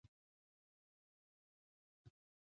دولت د سالمې ادارې په رامنځته کولو مکلف دی.